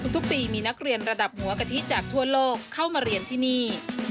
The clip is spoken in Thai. ทุกปีมีนักเรียนระดับหัวกะทิจากทั่วโลกเข้ามาเรียนที่นี่